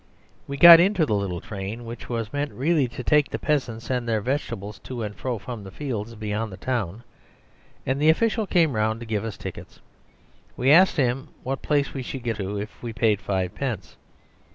We got into the little train, which was meant really to take the peasants and their vegetables to and fro from their fields beyond the town, and the official came round to give us tickets. We asked him what place we should get to if we paid fivepence.